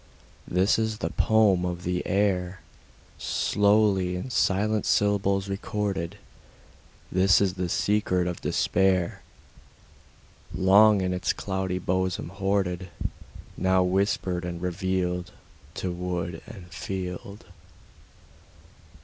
This is the poem of the air, Slowly in silent syllables recorded; This is the secret of despair, Long in its cloudy bosom hoarded, Now whispered and revealed To wood and field.